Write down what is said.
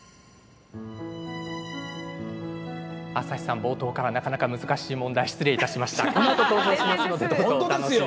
朝日さん、冒頭からなかなか難しい問題失礼しました。